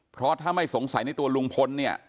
เพราะถ้าไม่สงสัยในตัวลุงพลเนี่ย